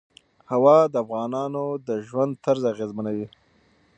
هوا د افغانانو د ژوند طرز اغېزمنوي.